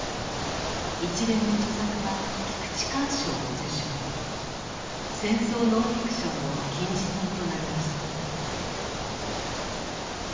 一連の著作は菊池寛賞を受賞戦争ノンフィクションの金字塔となりました。